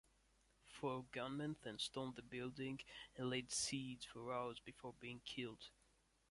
Four gunmen then stormed the building and laid siege for hours before being killed.